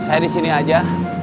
saya di sini aja